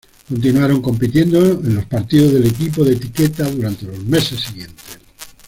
Continuaron compitiendo en los partidos del equipo de etiqueta durante los meses siguientes.